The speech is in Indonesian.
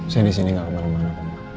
saya disini gak kemana mana